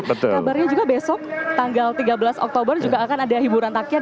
kabarnya juga besok tanggal tiga belas oktober juga akan ada hiburan takir